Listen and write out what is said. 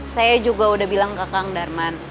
saya juga udah bilang ke kang darman